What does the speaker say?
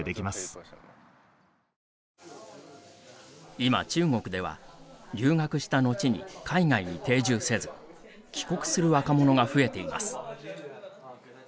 今、中国では留学したのちに海外に定住せず帰国する若者が増えています。